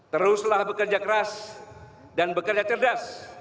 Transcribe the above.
teruslah bekerja keras dan bekerja cerdas